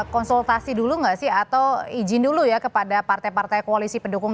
konsultasi dulu nggak sih atau izin dulu ya kepada partai partai koalisi pendukung